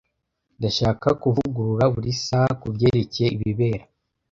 Ndashaka kuvugurura buri saha kubyerekeye ibibera.